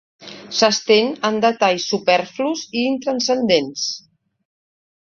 S'estén en detalls superflus i intranscendents.